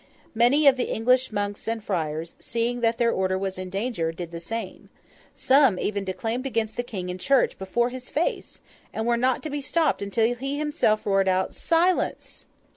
Many of the English monks and friars, seeing that their order was in danger, did the same; some even declaimed against the King in church before his face, and were not to be stopped until he himself roared out 'Silence!